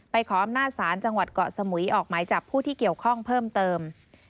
ขออำนาจศาลจังหวัดเกาะสมุยออกหมายจับผู้ที่เกี่ยวข้องเพิ่มเติม